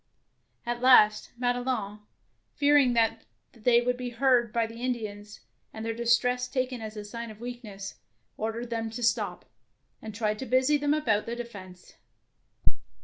At last Madelon, fear ing that they would be heard by the Indians, and their distress taken as a sign of weakness, ordered them to stop, and tried to busy them about the defence.